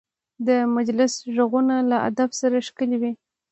د مجلس غږونه له ادب سره ښکلي وي